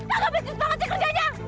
wah gak becis banget sih kerjanya